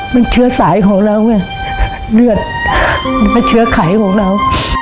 มันเชื้อสายของเราไงเลือดมันก็เชื้อไขของเรา